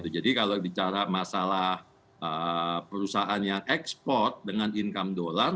jadi kalau bicara masalah perusahaan yang ekspor dengan income dolar